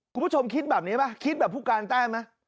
คุณผู้ชมคิดแบบนี้ป่ะคิดแบบผู้การแต้มไหม